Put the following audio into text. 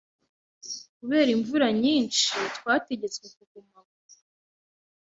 Kubera imvura nyinshi, twategetswe kuguma aho.